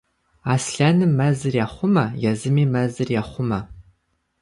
Аслъэным мэзыр ехъумэ, езыми мэзыр ехъумэ.